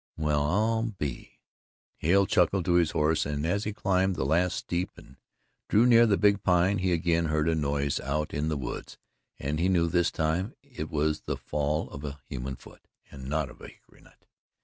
"Well, I be " Hale clucked to his horse and as he climbed the last steep and drew near the Big Pine he again heard a noise out in the woods and he knew this time it was the fall of a human foot and not of a hickory nut.